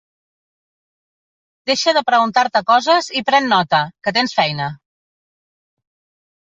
Deixa de preguntar-te coses i pren nota, que tens feina.